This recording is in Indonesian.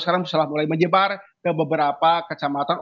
sekarang sudah mulai menyebar ke beberapa kecamatan